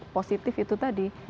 positif itu tadi